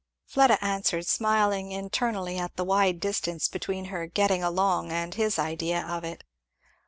Fleda answered, smiling internally at the wide distance between her "getting along" and his idea of it.